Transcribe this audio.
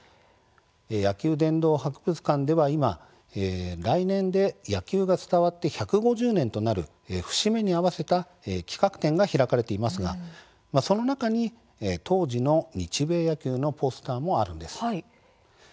野球殿堂博物館では来年で野球が伝わって１５０年となる節目に合わせた企画展が開かれていますがその中に当時の日米野球のポスターがあります。